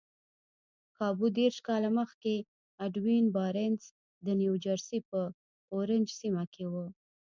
کابو دېرش کاله مخکې ايډوين بارنس د نيوجرسي په اورنج سيمه کې و.